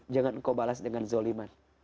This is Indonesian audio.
jangan engkau balas dengan zoliman